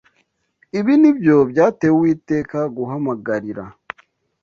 Ibi ni byo byateye Uwiteka guhamagarira